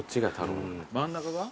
真ん中が？